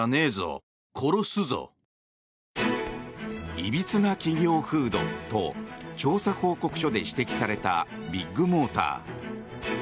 いびつな企業風土と調査報告書で指摘されたビッグモーター。